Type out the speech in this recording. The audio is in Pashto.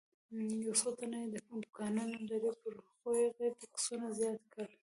یو څو تنه چې دوکانونه لري پر هغوی یې ټکسونه زیات کړي.